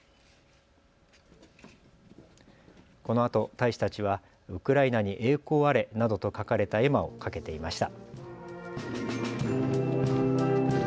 このあと大使たちはウクライナに栄光あれなどと書かれた絵馬を掛けていました。